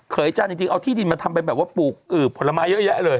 อาจารย์จริงเอาที่ดินมาทำเป็นแบบว่าปลูกผลไม้เยอะแยะเลย